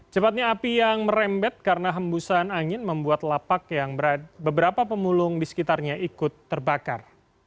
cepatnya api yang merembet karena hembusan angin membuat lapak yang beberapa pemulung di sekitarnya ikut terbakar